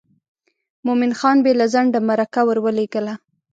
مومن خان بې له ځنډه مرکه ور ولېږله.